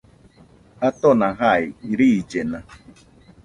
Atona jai, riillena